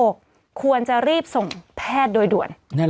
ควรจะรีบส่งแพทย์โดยด่วน